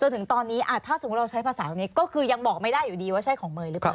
ถึงตอนนี้ถ้าสมมุติเราใช้ภาษานี้ก็คือยังบอกไม่ได้อยู่ดีว่าใช่ของเมย์หรือเปล่า